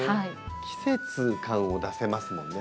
季節感を出せますもんね。